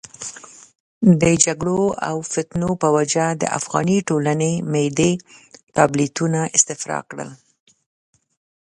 د جګړو او فتنو په وجه د افغاني ټولنې معدې ټابلیتونه استفراق کړل.